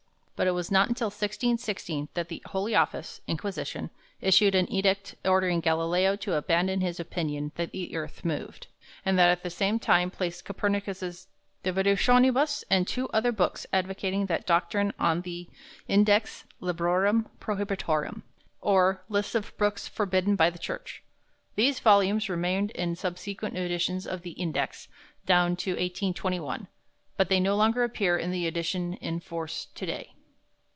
But it was not until 1616 that the Holy Office (Inquisition) issued an edict ordering Galileo to abandon his opinion that the earth moved, and at the same time placed Copernicus's De Revolutionibus and two other books advocating that doctrine on the "Index Librorum Prohibitorum," or list of books forbidden by the Church. These volumes remained in subsequent editions of the "Index" down to 1821, but they no longer appear in the edition in force to day.